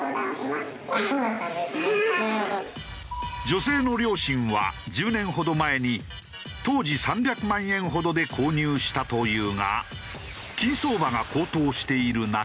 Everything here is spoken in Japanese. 女性の両親は１０年ほど前に当時３００万円ほどで購入したというが金相場が高騰している中